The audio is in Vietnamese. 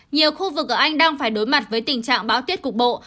nhiều khu vực ở anh đang phải đối mặt với tình trạng báo tiết cục bộ